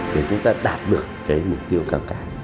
để chúng ta đạt được cái mục tiêu cao cả